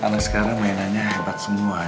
karena sekarang mainannya hebat semua